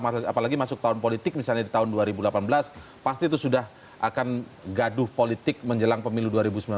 apalagi masuk tahun politik misalnya di tahun dua ribu delapan belas pasti itu sudah akan gaduh politik menjelang pemilu dua ribu sembilan belas